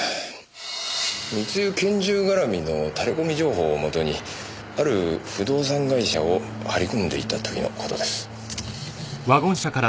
密輸拳銃絡みのタレコミ情報をもとにある不動産会社を張り込んでいた時の事です。